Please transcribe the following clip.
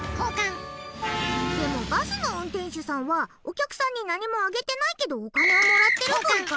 でもバスの運転手さんはお客さんに何もあげてないけどお金をもらってるブーカ。